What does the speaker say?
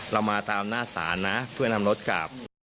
เรามาตามหน้าศาลนะเพื่อนำรถกลับ